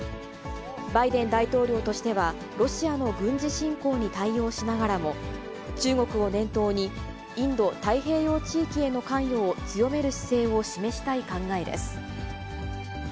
バイデン大統領としてはロシアの軍事侵攻に対応しながらも、中国を念頭に、インド太平洋地域への関与を強める姿勢を示したい考えです。